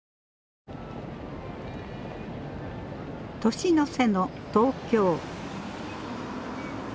年の瀬の東京。